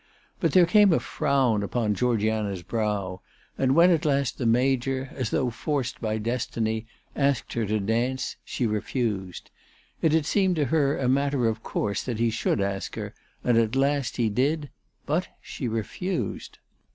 But there came a frown upon Georgiana's brow, and when at last the Major, as though forced by destiny, asked her to dance, she refused. It had seemed to her a matter of course that he should ask her, and at last he did; but she refused.